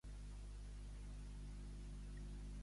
Què pot passar segons Alphyntha?